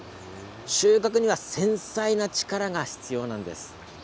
収穫には繊細な力が必要なんです。